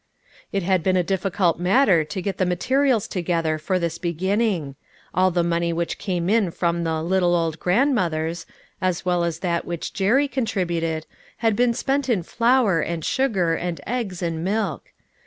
It had been a difficult matter to get the materials together for this beginning. All the money which came in from the "little old grandmothers," as well as that which Jerry con tributed, had been spent in flour, and sugar, and eggs and milk.